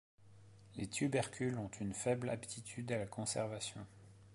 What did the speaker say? Les tubercules ont une faible aptitude à la conservation.